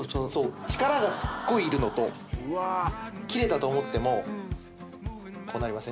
力がすっごいいるのと切れたと思ってもこうなりません？